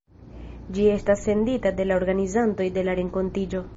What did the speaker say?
Ĝi estas sendita de la organizantoj de la renkontiĝo.